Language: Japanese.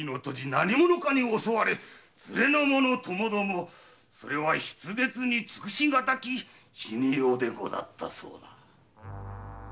何者かに襲われ連れの者ともどもそれは筆舌に尽くし難き死に様でござったそうな。